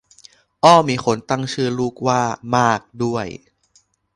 อ้อมีคนตั้งชื่อลูกว่ามากด้วย